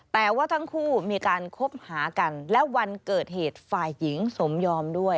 แต่ว่าทั้งคู่มีการคบหากันและวันเกิดเหตุฝ่ายหญิงสมยอมด้วย